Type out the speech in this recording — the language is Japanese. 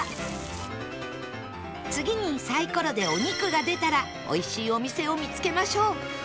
次にサイコロで「お肉」が出たらおいしいお店を見つけましょう